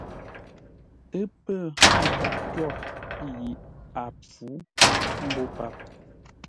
Ə́ pə̂ nkâp twôr yi a pfǔ mbô páp.